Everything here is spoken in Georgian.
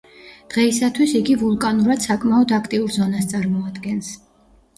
დღეისათვის იგი ვულკანურად საკმაოდ აქტიურ ზონას წარმოადგენს.